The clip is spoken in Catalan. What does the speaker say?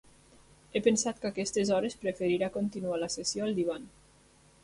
He pensat que a aquestes hores preferirà continuar la sessió al divan.